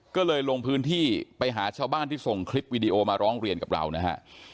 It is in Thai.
ก็เลยลงพื้นที่ไปหาชาวบ้านที่ส่งคลิปวิดีโอมาร้องเรียนกับเรานะฮะ